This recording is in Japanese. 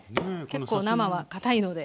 結構生はかたいので。